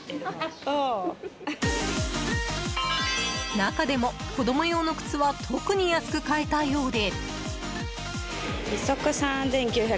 中でも子供用の靴は特に安く買えたようで。